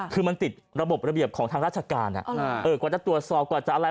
คือมันติดระบบระเบียบของทางราชการกว่าจะตรวจสอบกว่าจะอะไร